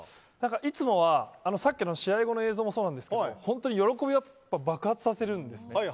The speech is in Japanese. いつもは、さっきの試合後の映像もそうなんですけど喜びを爆発させるんですね。